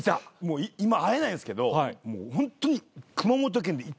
今会えないんですけどもうホントに。